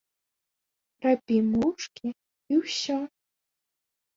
Рабі моўчкі, і ўсё.